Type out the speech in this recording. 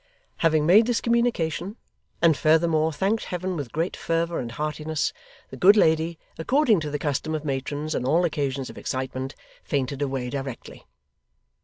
Having made this communication, and furthermore thanked Heaven with great fervour and heartiness, the good lady, according to the custom of matrons, on all occasions of excitement, fainted away directly.